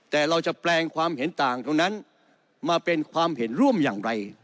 แต่เราจะแปลงความเห็นต่างตรงนั้นมาเป็นความเห็นร่วมอย่างไร